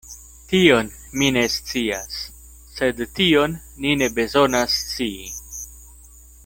Tion mi ne scias; sed tion ni ne bezonas scii.